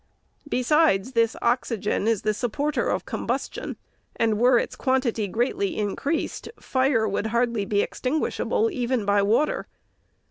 Besides, this oxygen is the supporter of combustion, and, were its quantity greatly increased, fire would hardly be extinguishable, even by water.